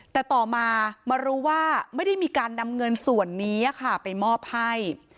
แต่ต่อมามารู้ว่าไม่ได้มีการนำเงินส่วนนี้ไปมอบให้